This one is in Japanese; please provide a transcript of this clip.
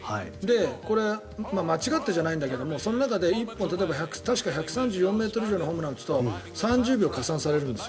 これ、間違ってじゃないんだけどその中で１本例えば１３４ｍ以上のホームランを打つと３０秒加算されるんです。